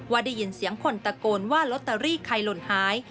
ได้ยินเสียงคนตะโกนว่าลอตเตอรี่ใครหล่นหาย